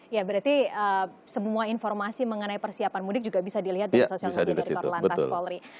ya berarti semua informasi mengenai persiapan mudik juga bisa dilihat di sosial media dari korlantas polri